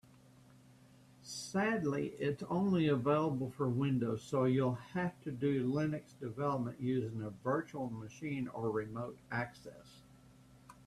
Sadly, it's only available for Windows, so you'll have to do Linux development using a virtual machine or remote access.